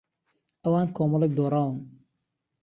ئەوان کۆمەڵێک دۆڕاون.